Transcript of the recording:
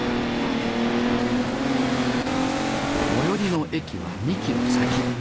最寄りの駅は２ｋｍ先。